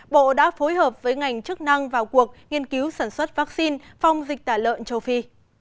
bộ đã phối hợp với ngành chức năng vào cuộc nghiên cứu sản xuất vaccine phong dịch tả lợn châu phi